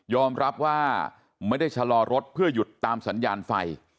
รับว่าไม่ได้ชะลอรถเพื่อหยุดตามสัญญาณไฟ